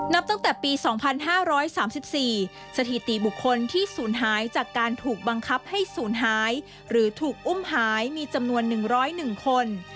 นับตั้งแต่ปี๒๕๓๔สถิติบุคคลที่ศูนย์หายจากการถูกบังคับให้ศูนย์หายหรือถูกอุ้มหายมีจำนวน๑๐๑คน